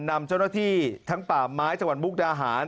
นำเจ้าหน้าที่ทั้งป่าไม้จังหวัดมุกดาหาร